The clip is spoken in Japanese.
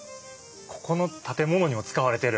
ここの建物にも使われてる。